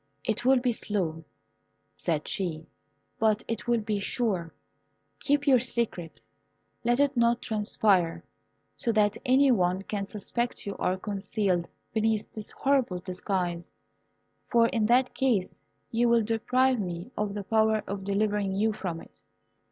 "It will be slow," said she, "but it will be sure. Keep your secret; let it not transpire, so that any one can suspect you are concealed beneath this horrible disguise, for in that case you will deprive me of the power of delivering you from it.